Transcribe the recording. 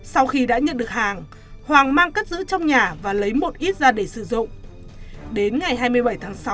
sau khi đã nhận được hàng hoàng mang cất giữ trong nhà và lấy một ít ra để sử dụng đến ngày hai mươi bảy tháng sáu